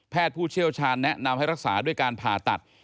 ผู้เชี่ยวชาญแนะนำให้รักษาด้วยการผ่าตัด